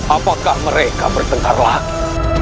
apakah mereka bertengkar lagi